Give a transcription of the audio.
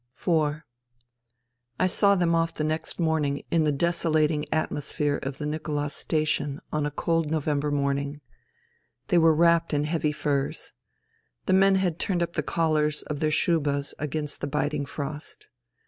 IV I saw them off next morning in the desolating atmosphere of the Nicholas Station on a cold Novem ber morning. They were wrapped in heavy furs. The men had turned up the collars of their shubas against the biting frost.